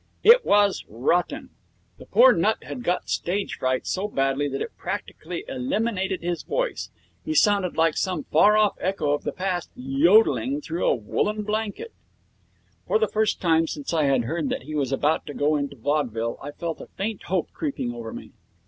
It was rotten. The poor nut had got stage fright so badly that it practically eliminated his voice. He sounded like some far off echo of the past 'yodelling' through a woollen blanket. For the first time since I had heard that he was about to go into vaudeville I felt a faint hope creeping over me.